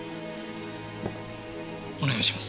お願いします。